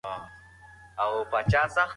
کاروباري مینه باید تل ژوندۍ وي.